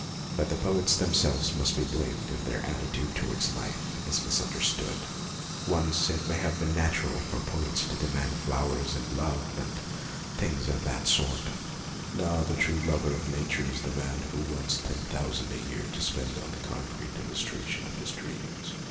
But the poets themselves must be blamed if their attitude towards life is misunderstood. Once it may have been natural for poets to demand flowers and love and things of that sort ; now the true lover of Nature is the man who PENSIONS FOR POETS 73 wants ten thousand a year to spend on the concrete illustration of his dreams.